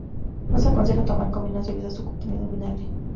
No se aconseja tomar con vinos debido a su contenido en vinagre.